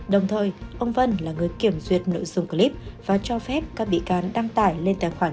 đồng thời ông vân là người kiểm duyệt nội dung clip và cho phép các bị can đăng tải lên tài khoản